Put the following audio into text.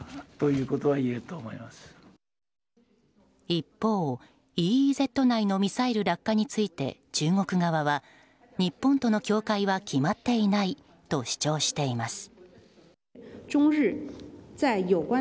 一方、ＥＥＺ内のミサイル落下について中国側は日本との境界は決まっていないと主張しています。